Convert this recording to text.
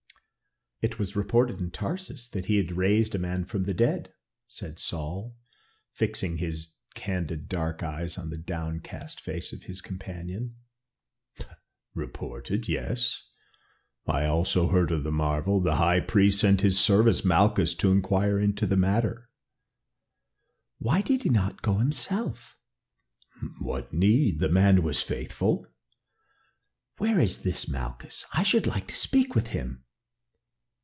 "It was reported in Tarsus that he had raised a man from the dead," said Saul, fixing his candid dark eyes on the downcast face of his companion. "Reported? yes! I also heard of the marvel. The High Priest sent his servant, Malchus, to inquire into the matter." "Why did he not go himself?" "What need? the man was faithful." "Where is this Malchus? I should like to speak with him."